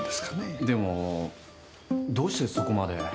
でもどうしてそこまで。